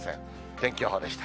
天気予報でした。